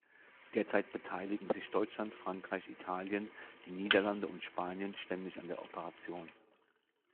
Derzeit beteiligen sich Deutschland, Frankreich, Italien, die Niederlande und Spanien ständig an der Operation.